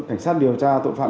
cảnh sát điều tra tội phạm